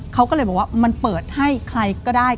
เขาก็เลยบอกว่ามันเปิดให้ใครก็ได้